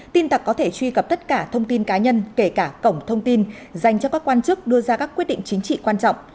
tin tặc có thể truy cập tất cả thông tin cá nhân kể cả cổng thông tin dành cho các quan chức đưa ra các quyết định chính trị quan trọng